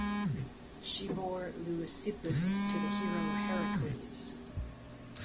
She bore Leucippus to the hero Heracles.